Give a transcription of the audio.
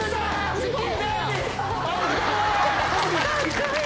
すごい！